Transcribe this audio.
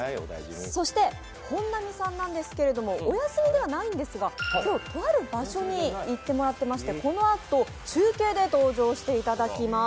そして本並さんなんですけれどもお休みではないんですが、今日、とある場所に行っていただいていまして、このあと、中継で登場していただきます。